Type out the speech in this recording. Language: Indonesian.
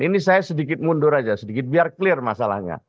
ini saya sedikit mundur aja sedikit biar clear masalahnya